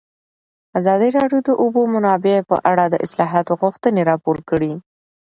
ازادي راډیو د د اوبو منابع په اړه د اصلاحاتو غوښتنې راپور کړې.